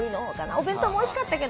お弁当もおいしかったけど。